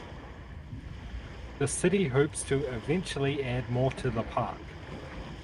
The City hopes to eventually add more to the park.